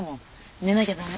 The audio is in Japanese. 寝なきゃ駄目